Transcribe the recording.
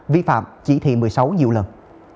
vi phạm chỉ thị một mươi sáu nhiều lần